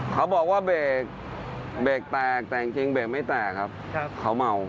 เขาบอกว่าเบรกเบรกแตกแต่จริงเบรกไม่แตกครับเขาเมา